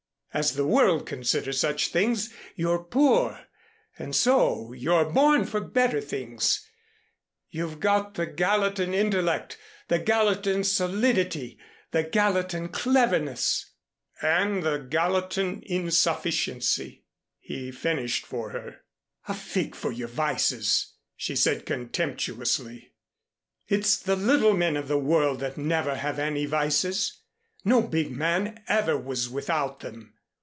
As the world considers such things, you're poor and so you're born for better things! You've got the Gallatin intellect, the Gallatin solidity, the Gallatin cleverness " "And the Gallatin insufficiency," he finished for her. "A fig for your vices," she said contemptuously. "It's the little men of this world that never have any vices. No big man ever was without them.